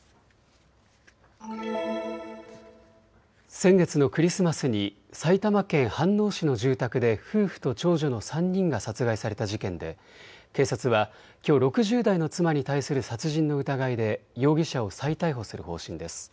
先月のクリスマスに埼玉県飯能市の住宅で夫婦と長女の３人が殺害された事件で警察はきょう６０代の妻に対する殺人の疑いで容疑者を再逮捕する方針です。